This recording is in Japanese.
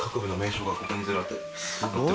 って